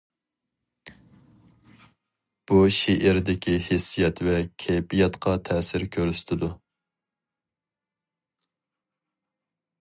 بۇ شېئىردىكى ھېسسىيات ۋە كەيپىياتقا تەسىر كۆرسىتىدۇ.